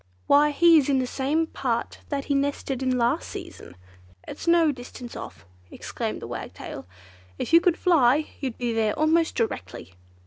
"Why he is in the same part that he nested in last season. It's no distance off," exclaimed the Wagtail. "If you could fly, you'd be there almost directly!"